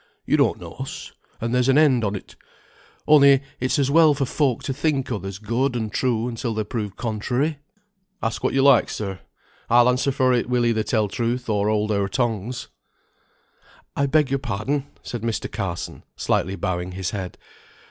You don't know us, and there's an end on't; only it's as well for folk to think others good and true until they're proved contrary. Ask what you like, sir, I'll answer for it we'll either tell truth or hold our tongues." "I beg your pardon," said Mr. Carson, slightly bowing his head.